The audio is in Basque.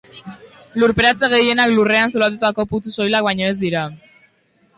Lurperatze gehienak, lurrean zulatutako putzu soilak baino ez dira.